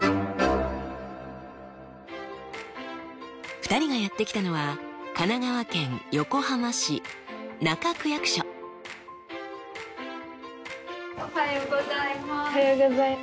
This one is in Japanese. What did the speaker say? ２人がやって来たのはおはようございます。